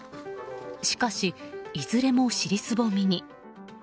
しかし、いずれも尻すぼみに。